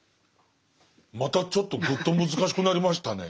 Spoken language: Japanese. またちょっとぐっと難しくなりましたね